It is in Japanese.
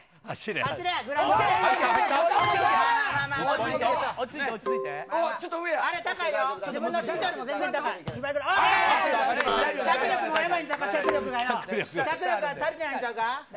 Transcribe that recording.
脚力が足りてないんちゃうか！